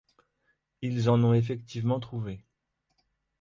Ils en ont effectivement trouvé.